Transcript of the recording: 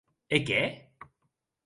E qué?